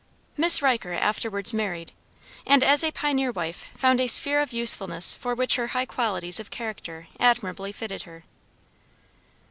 Miss Riker afterwards married, and, as a pioneer wife, found a sphere of usefulness for which her high qualities of character admirably fitted her.